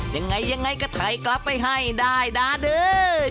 ยังไงก็ไทยกลับไปให้ได้มั้ย